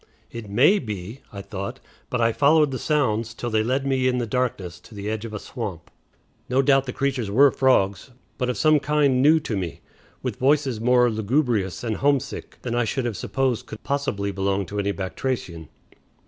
"It may be," I thought, but I followed the sounds till they led me in the darkness to the edge of a swamp. No doubt the creatures were frogs, but of some kind new to me, with voices more lugubrious and homesick than I should have supposed could possibly belong to any batrachian.